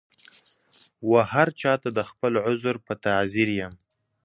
وهرچا ته د خپل عذر په تعذیر یم